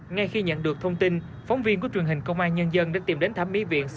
ngay khi nhận được thông tin phóng viên của truyền hình công an nhân dân đã tìm đến thẩm mỹ viện